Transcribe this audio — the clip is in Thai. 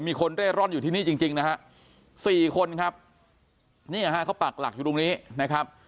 มีคนเร่ร่อนอยู่ที่นี่จริงจริงนะฮะสี่คนครับเนี่ยฮะเขาปักหลักอยู่ตรงนี้นะครับ